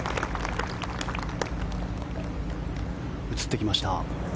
映ってきました。